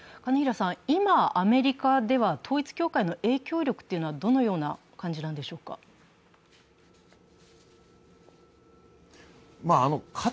今、アメリカでは統一教会の影響力とはどのような感じなんでしょうか？